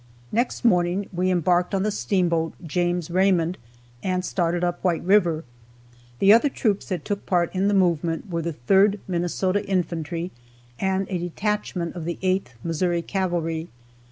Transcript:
Next morning we embarked on the steamboat "James Raymond," and started up White river. The other troops that took part in the movement were the 3rd Minnesota Infantry and a detachment of the 8th Missouri Cavalry.